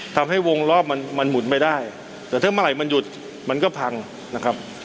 ทำให้วงรอบมันมันหมุนไม่ได้แต่ถ้าเมื่อไหร่มันหยุดมันก็พังนะครับ